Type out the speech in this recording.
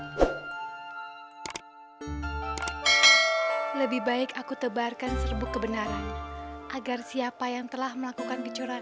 saya gak bisa gitu dong saya dan suami saya sudah melacunya anak anak dengan susu kandil luarza